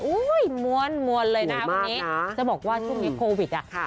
อุ้ยมวนเลยนะคุณนี้จะบอกว่าช่วงนี้โควิดครับ